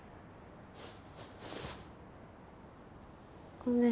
ごめん。